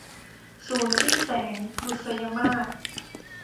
สูรย์สิ้นแสง - บุษยมาส